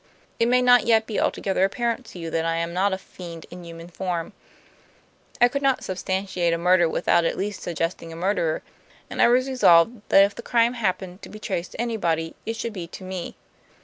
It may not yet be altogether apparent to you that I am not a fiend in human form. I could not substantiate a murder without at least suggesting a murderer, and I was resolved that if the crime happened to be traced to anybody, it should be to me.